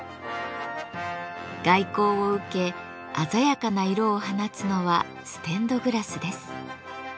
外光を受け鮮やかな色を放つのはステンドグラスです。